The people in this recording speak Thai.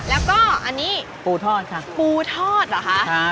แล้วก็อันนี้ปูทอดค่ะปูทอดเหรอคะ